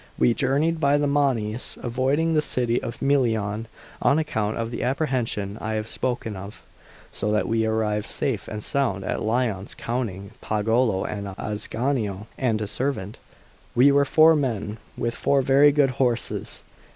We journeyed by the Monsanese, avoiding the city of Milan on account of the apprehension I have spoken of, so that we arrived safe and sound at Lyons. Counting Pagolo and Ascanio and a servant, we were four men, with four very good horses.